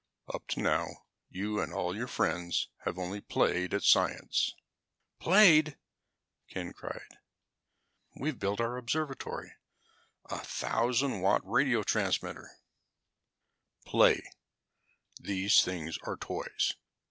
"Up to now, you and all your friends have only played at science." "Played!" Ken cried. "We've built our observatory, a 1000 watt radio transmitter " "Play; these things are toys.